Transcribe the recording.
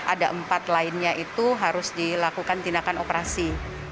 ada empat lainnya itu harus dilakukan tindakan operasi